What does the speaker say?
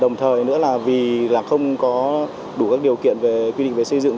đồng thời nữa là vì là không có đủ các điều kiện về quy định về xây dựng